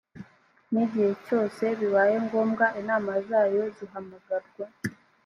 n igihe cyose bibaye ngombwa inama zayo zihamagarwa